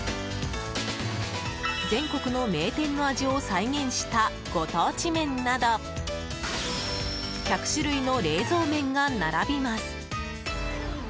全国の名店の味を再現したご当地麺など１００種類の冷蔵麺が並びます。